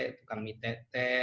tukang mie tete